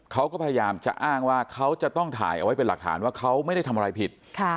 เขาก็พยายามจะอ้างว่าเขาจะต้องถ่ายเอาไว้เป็นหลักฐานว่าเขาไม่ได้ทำอะไรผิด